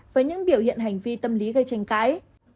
với những biểu hiện hành vi tâm lý gây tranh cãi